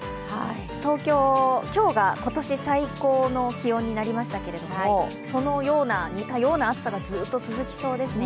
東京、今日が今年最高の気温になりましたけれどもそのような似たような暑さがずっと続きそうですね。